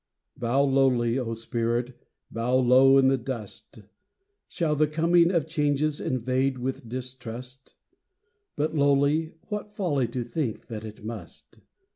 Bow lowly, O spirit, bow low in the dust. Shall the coming of changes invade with distrust ? Bow lowly, what folly to think that it must.